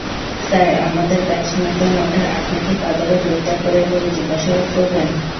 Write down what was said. Sir, আমার ব্যাচ-মেটদের মধ্যে আপনি কি তাদেরও গ্রেফতার করে এভাবে জিজ্ঞাসাবাদ করবেন?